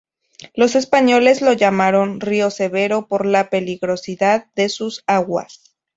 Los españoles lo llamaron río Severo por la peligrosidad de sus aguas.